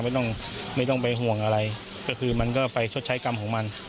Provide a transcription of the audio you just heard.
ไม่ต้องไม่ต้องไปห่วงอะไรก็คือมันก็ไปชดใช้กรรมของมัน